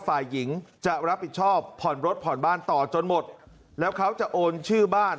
ฝ่ายหญิงจะรับผิดชอบผ่อนรถผ่อนบ้านต่อจนหมดแล้วเขาจะโอนชื่อบ้าน